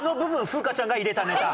風花ちゃんが入れたネタ。